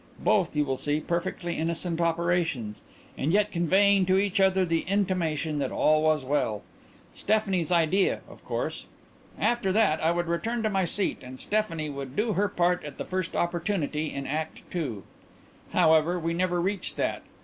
Both, you will see, perfectly innocent operations, and yet conveying to each other the intimation that all was well. Stephanie's idea, of course. After that, I would return to my seat and Stephanie would do her part at the first opportunity in Act II. "However, we never reached that.